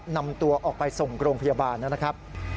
นำตัวออกไปส่งโรงพยาบาลนะครับ